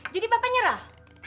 jadi bapak nyerah